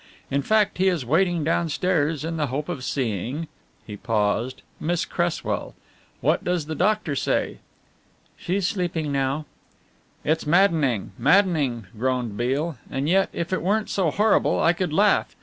In fact, he is waiting downstairs in the hope of seeing " he paused, "Miss Cresswell. What does the doctor say?" "She's sleeping now." "It's maddening, maddening," groaned Beale, "and yet if it weren't so horrible I could laugh.